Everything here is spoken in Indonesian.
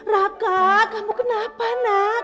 rangga kamu kenapa nak